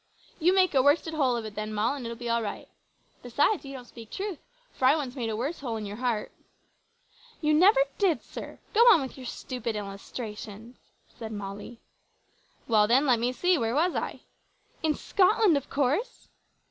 "You make a worsted hole of it then, Moll, and it'll be all right. Besides, you don't speak truth, for I once made a worse hole in your heart." "You never did, sir. Go on with your stupid illustrations," said Molly. "Well, then, let me see where was I?" "In Scotland, of course!"